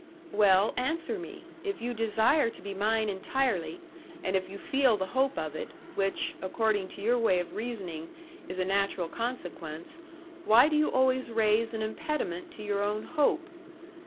"Well, answer me. If you desire to be mine entirely, and if you feel the hope of it, which, according to your way of reasoning, is a natural consequence, why do you always raise an impediment to your own hope?